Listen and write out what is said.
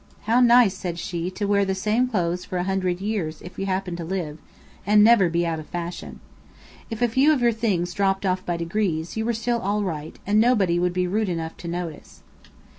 How nice, said she, to wear the same clothes for a hundred years if you happened to live, and never be out of fashion. If a few of your things dropped off by degrees, you were still all right, and nobody would be rude enough to notice!